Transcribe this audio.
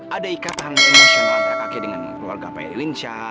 ada ikatan emosional antara kakek dengan keluarga pak irwin syah